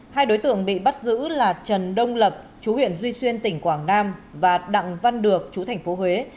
hai đối tượng bị bắt giữ là trần đông lập chú huyện duy xuyên tỉnh quảng nam và đặng văn được chú thành phố huế